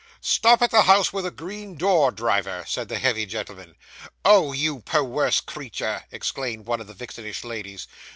'Stop at the house with a green door, driver,' said the heavy gentleman. 'Oh! You perwerse creetur!' exclaimed one of the vixenish ladies.